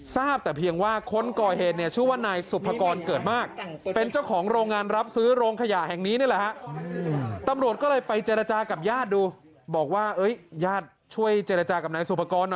ทราบแต่เพียงว่าคนก่อเหตุชื่อว่านายสุภกรเกิดมาก